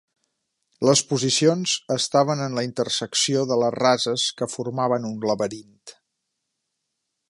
Les posicions estaven en la intersecció de les rases que formaven un laberint.